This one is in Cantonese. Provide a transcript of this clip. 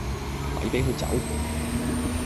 咪俾佢走